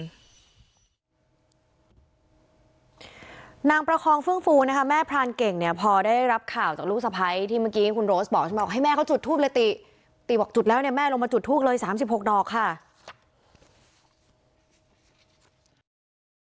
นางประคองเฟื่องฟูนะคะแม่พรานเก่งเนี่ยพอได้รับข่าวจากลูกสะพ้ายที่เมื่อกี้คุณโรสบอกใช่ไหมบอกให้แม่เขาจุดทูปเลยติติบอกจุดแล้วเนี่ยแม่ลงมาจุดทูปเลย๓๖ดอกค่ะ